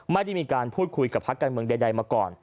ไม่ได้มีการพูดคุยกับภาคการเมืองใดมาก่อน